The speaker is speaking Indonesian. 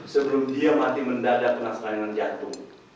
sebelum dia mati mendadak kena sekalian jatuh